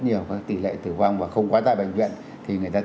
thì người ta chấp nhận được cái tỷ lệ tử vong và không qua tải bệnh viện